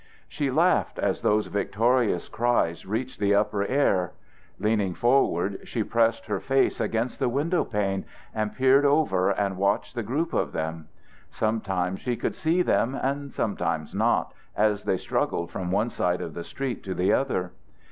She laughed as those victorious cries reached the upper air. Leaning forward, she pressed her face against the window pane and peered over and watched the group of them. Sometimes she could see them and sometimes not as they struggled from one side of the street to the other.